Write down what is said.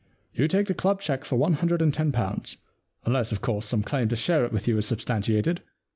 You take the club cheque for one hundred and ten pounds, unless, of course, some claim to share it with you is substantiated.